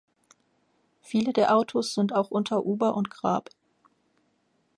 Viele der Autos sind auch unter Uber und Grab.